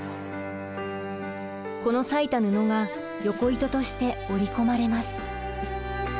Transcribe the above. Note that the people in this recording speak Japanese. この裂いた布が横糸として織り込まれます。